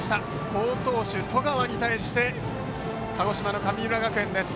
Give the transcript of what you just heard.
好投手・十川に対して鹿児島の神村学園です。